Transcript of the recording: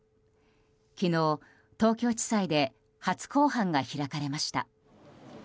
昨日、東京地裁で初公判が開かれました。